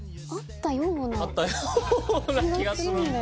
あったような気がする？